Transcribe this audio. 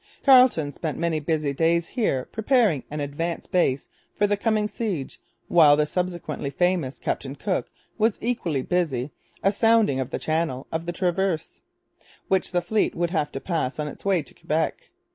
Carleton spent many busy days here preparing an advanced base for the coming siege, while the subsequently famous Captain Cook was equally busy 'a sounding of the channell of the Traverse' which the fleet would have to pass on its way to Quebec.